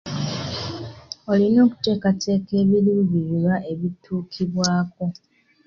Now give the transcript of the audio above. Olina okuteekateeka ebiruubirirwa ebituukibwako.